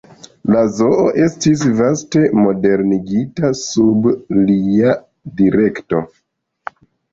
La zoo estis vaste modernigita sub lia direkto.